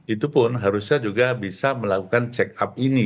itu pun harusnya juga bisa melakukan check up ini